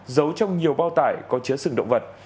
giấu trong nhiều bao tải có chứa sừng động vật